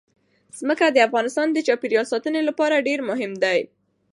ځمکه د افغانستان د چاپیریال ساتنې لپاره ډېر مهم دي.